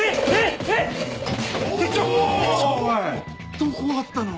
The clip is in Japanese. どこあったの？